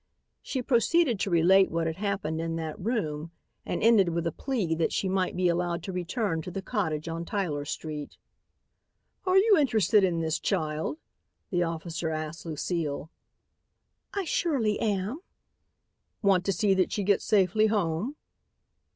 She proceeded to relate what had happened in that room and ended with a plea that she might be allowed to return to the cottage on Tyler street. "Are you interested in this child?" the officer asked Lucile. "I surely am." "Want to see that she gets safely home?"